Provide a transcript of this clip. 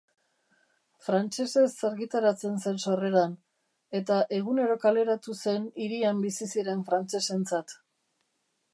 Frantsesez argitaratzen zen sorreran, eta egunero kaleratu zen hirian bizi ziren frantsesentzat.